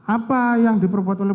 apa yang diperbuat oleh